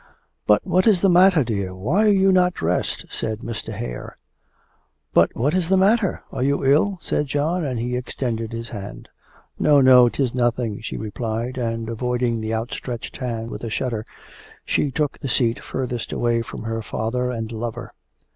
'But what is the matter, dear? Why are you not dressed?' said Mr. Hare. 'But what is the matter? ... Are you ill?' said John, and he extended his hand. 'No, no, 'tis nothing,' she replied, and avoiding the outstretched hand with a shudder, she took the seat furthest away from her father and lover.